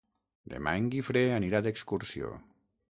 Demà en Guifré anirà d'excursió.